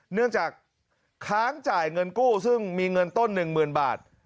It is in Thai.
เนื่องจากค้างจ่ายเงินกู้ซึ่งมีเงินต้น๑๐๐๐บาท